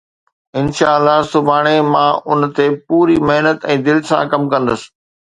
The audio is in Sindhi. انشاءَ الله، سڀاڻي مان ان تي پوري محنت ۽ دل سان ڪم ڪندس